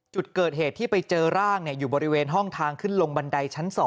จุดเกิดเหตุที่ไปเจอร่างอยู่บริเวณห้องทางขึ้นลงบันไดชั้น๒